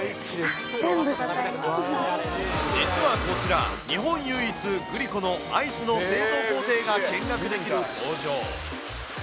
実はこちら、日本唯一、グリコのアイスの製造工程が見学できる工場。